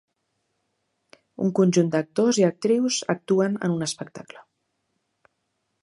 Un conjunt d'actors i actrius actuen en un espectacle.